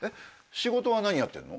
仕事は何やってんの？